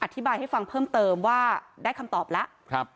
อธิบายให้ฟังเพิ่มเติมว่าได้คำตอบแล้ว